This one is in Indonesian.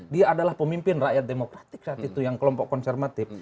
dia adalah pemimpin rakyat demokratik saat itu yang kelompok konsermatif